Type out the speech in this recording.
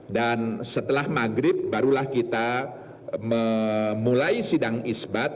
dan setelah maghrib barulah kita memulai sidang isbat